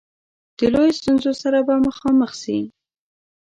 د لویو ستونزو سره به مخامخ سي.